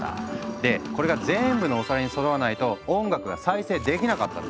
でこれが全部のお皿にそろわないと音楽が再生できなかったの。